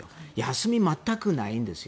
休み、全くないんです。